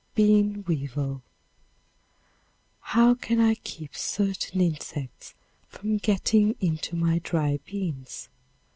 Bean Weevil. How can I keep certain insects from getting into my dry beans?